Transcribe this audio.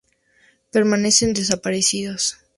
Permanecen desaparecidos.